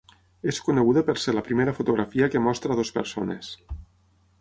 És coneguda per ser la primera fotografia que mostra a dues persones.